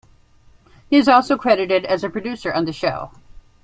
He is also credited as a producer on the show.